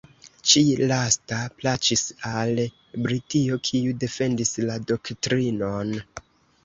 Ĉi-lasta plaĉis al Britio, kiu defendis la doktrinon.